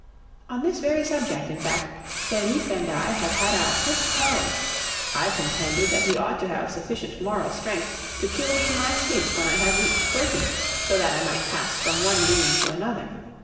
On this very subject, in fact, Felipe and I have had our first quarrel. I contended that he ought to have sufficient moral strength to kill me in my sleep when I have reached thirty, so that I might pass from one dream to another.